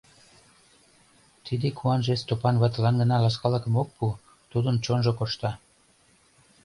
Тиде куанже Стопан ватылан гына ласкалыкым ок пу, тудын чонжо коршта.